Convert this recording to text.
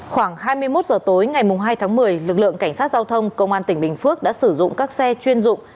khoảng hai mươi một h tối ngày hai tháng một mươi lực lượng cảnh sát giao thông công an tỉnh bình phước đã sử dụng các xe chuyên dụng